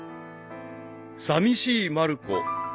［さみしいまる子。